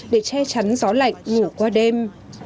để che chắn gió lạnh ngủ qua đêm